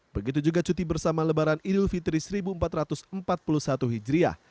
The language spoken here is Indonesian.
begitu juga cuti bersama lebaran idul fitri seribu empat ratus empat puluh satu hijriah